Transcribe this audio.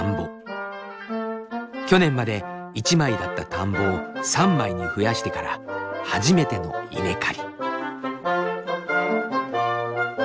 去年まで１枚だった田んぼを３枚に増やしてから初めての稲刈り。